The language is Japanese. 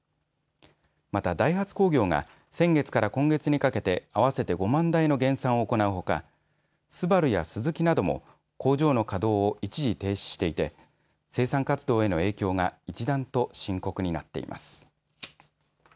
またダイハツ工業が先月から今月にかけて合わせて５万台の減産を行うほかＳＵＢＡＲＵやスズキなども工場の稼働を一時停止していて生産活動への影響が一段と深刻になっています。